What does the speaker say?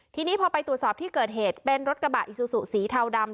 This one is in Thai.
ทีนี้พอไปตรวจสอบที่เกิดเหตุเป็นรถกระบะอิซูซูสีเทาดำ